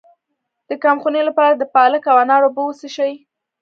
د کمخونۍ لپاره د پالک او انار اوبه وڅښئ